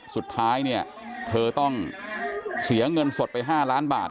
สุดท้ายเนี่ยเธอต้องเสียเงินสดไป๕ล้านบาท